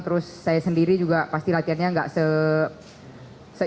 terus saya sendiri juga pasti latihannya gak se